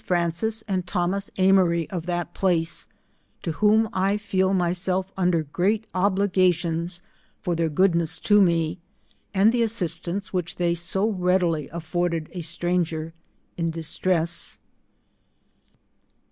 Francis and Thomas Amory of that place, to whom I feel myself under great obligations for their goodness to me, and the assisance which they so readily afiford'< ed a stranger in distress.